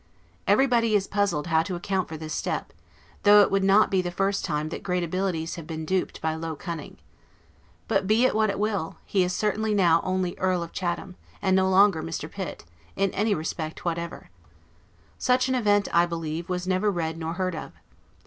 Everybody is puzzled how to account for this step; though it would not be the first time that great abilities have been duped by low cunning. But be it what it will, he is now certainly only Earl of Chatham; and no longer Mr. Pitt, in any respect whatever. Such an event, I believe, was never read nor heard of.